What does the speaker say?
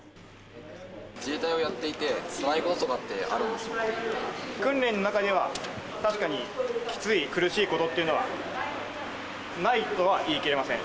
自衛隊をやっていて、つらい訓練の中では、確かにきつい、苦しいことっていうのはないとは言い切れません。